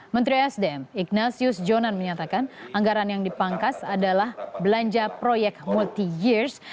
menteri sdm ignatius jonan menyatakan anggaran yang dipangkas adalah belanja proyek multi years